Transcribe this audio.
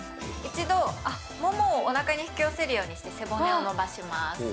１度ももをおなかに引き寄せるようにして背骨を伸ばします。